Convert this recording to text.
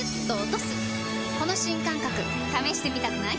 この新感覚試してみたくない？